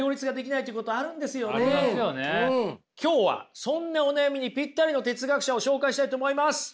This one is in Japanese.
今日はそんなお悩みにぴったりの哲学者を紹介したいと思います。